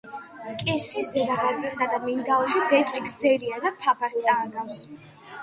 კისრის ზედა ნაწილსა და მინდაოში ბეწვი გრძელია და ფაფარს წააგავს.